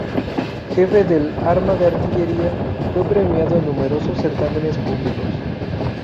Jefe del arma de artillería, fue premiado en numerosos certámenes públicos.